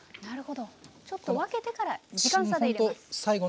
なるほどちょっと分けてから時間差で入れます。